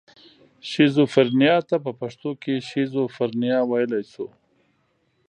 شیزوفرنیا ته په پښتو کې شیزوفرنیا ویلی شو.